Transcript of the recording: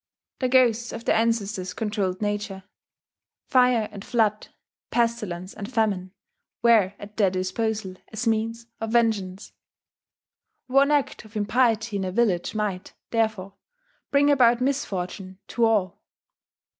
The ghosts of the ancestors controlled nature; fire and flood, pestilence and famine were at their disposal as means of vengeance. One act of impiety in a village might, therefore, bring about misfortune to all.